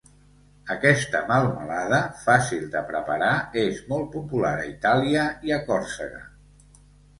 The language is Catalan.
Aquesta melmelada, fàcil de preparar, és molt popular a Itàlia i a Còrsega.